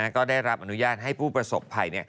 ก็ได้รับอนุญาตให้ผู้ประสบภัย